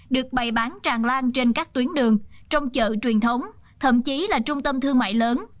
được bày bán tràn lan trên các tuyến đường trong chợ truyền thống thậm chí là trung tâm thương mại lớn